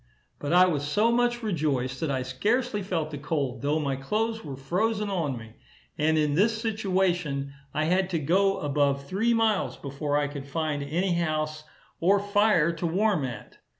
But I was so much rejoiced, that I scarcely felt the cold, though my clothes were frozen on me; and in this situation, I had to go above three miles, before I could find any house, or fire to warm at.